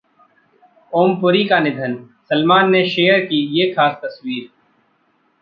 ओम पुरी का निधन, सलमान ने शेयर की ये खास तस्वीर